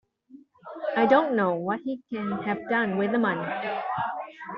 I don't know what he can have done with the money.